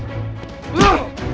dia juga diadopsi sama keluarga alfahri